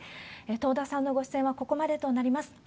東田さんのご出演はここまでとなります。